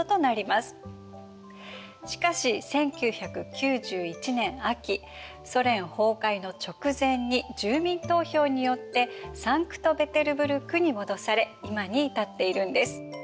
しかし１９９１年秋ソ連崩壊の直前に住民投票によってサンクト・ペテルブルクに戻され今に至っているんです。